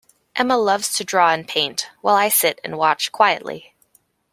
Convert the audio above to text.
Emma loves to draw and paint, while I sit and watch quietly